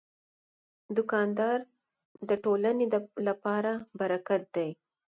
دوکاندار د ټولنې لپاره برکت دی.